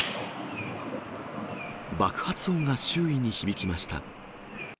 爆発音が周囲に響きました。